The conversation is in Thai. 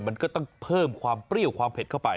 มันก็ต้องเพิ่มความเปรี้ยวความเผ็ดเข้าไป